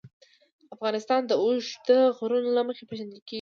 افغانستان د اوږده غرونه له مخې پېژندل کېږي.